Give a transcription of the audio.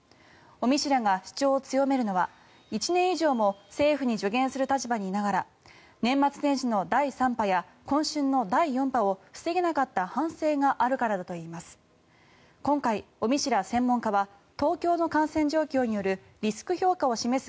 尾身氏らが主張を強めるのは１年以上も政府に助言する立場にいながら年末年始の第３波や今春の第４波を防げなかった反省があるからだといいます。